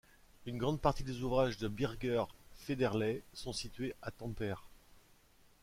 Une grande partie des ouvrages de Birger Federley sont situés à Tampere.